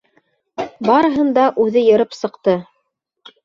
Барыһын да үҙе йырып сыҡты.